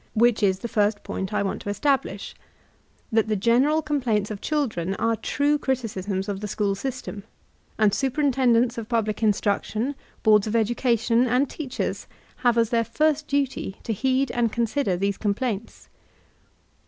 Which is the first point I want to establish: That the general complaints of children are true criticisms of the school system; and Superintendents of Public Instruc tion, Boards of Education, and Teachers have as their first duty to heed and consider these complaints.